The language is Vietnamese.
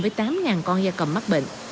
với tám con da cầm mắc bệnh